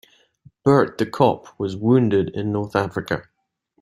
Bert the cop was wounded in North Africa.